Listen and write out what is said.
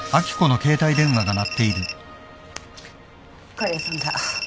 狩矢さんだ。